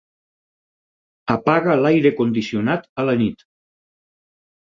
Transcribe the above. Apaga l'aire condicionat a la nit.